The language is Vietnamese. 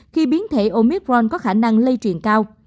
khi biến thể omipron có khả năng lây truyền cao